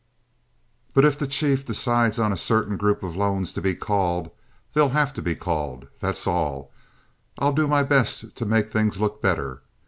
But if the chief decides on a certain group of loans to be called, they'll have to be called, that's all. I'll do my best to make things look better.